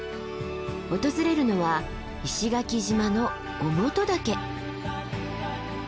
訪れるのは石垣島の於茂登岳。